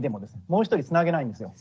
もう１人つなげないんですよ。